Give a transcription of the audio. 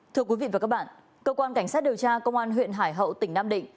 thưa quý vị và các bạn cơ quan cảnh sát điều tra công an huyện hải hậu tỉnh nam định